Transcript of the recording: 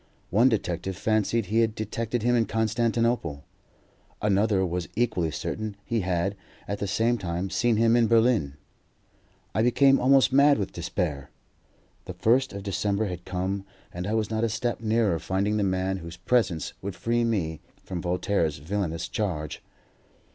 One detective fancied he had detected him in Constantinople; another was equally certain he had, at the same time, seen him in Berlin. I became almost mad with despair. The first of December had come, and I was not a step nearer finding the man whose presence would free me from Voltaire's villainous charge.